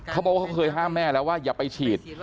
เขาบอกว่าเขาเคยห้ามแม่แล้วว่าอย่าไปฉีด